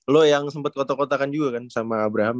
lo yang sempat kotak kotakan juga kan sama abraham